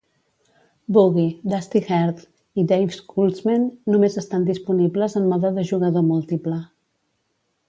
Boogie, Dusty Earth, i Dave's Cultsmen només estan disponibles en mode de jugador múltiple.